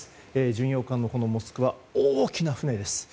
巡洋艦の「モスクワ」大きな船です。